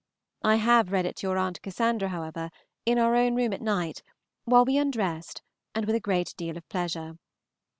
I have read it to your Aunt Cassandra, however, in our own room at night, while we undressed, and with a great deal of pleasure.